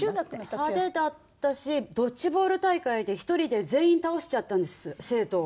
派手だったしドッジボール大会で１人で全員倒しちゃったんです生徒を。